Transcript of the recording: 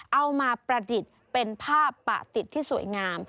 เอามาประดิษฐ์เป็นผ้าปะติดที่สวยงาม